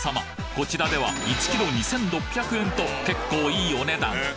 こちらでは１キロ２，６００円と結構いいお値段